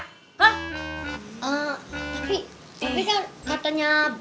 tapi tapi kan katanya bang fie ya kita disuruh nurutin perintahnya pak bos